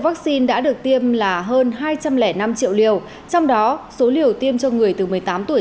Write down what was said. vaccine đã được tiêm là hơn hai trăm linh năm triệu liều trong đó số liều tiêm cho người từ một mươi tám tuổi